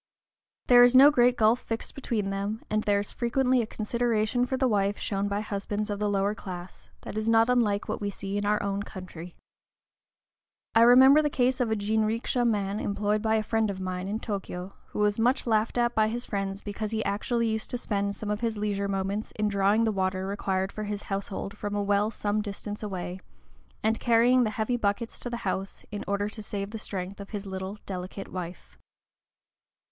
There is no great gulf fixed between them, and there is frequently a consideration for the wife shown by husbands of the lower class, that is not unlike what we see in our own country. I remember the case of a jinrikisha man employed by a friend of mine in Tōkyō, who was much laughed at by his friends because he actually used to spend some of his leisure moments in drawing the water required for his household from a well some distance away, and carrying the heavy buckets to the house, in order to save the strength of his little, delicate wife.